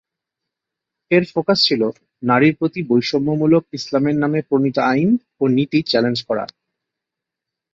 এর ফোকাস ছিল নারীর প্রতি বৈষম্যমূলক ইসলামের নামে প্রণীত আইন ও নীতি চ্যালেঞ্জ করা।